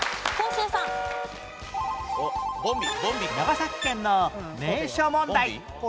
長崎県の名所問題